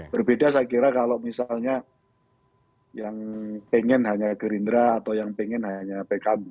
berbeda saya kira kalau misalnya yang pengen hanya gerindra atau yang pengen hanya pkb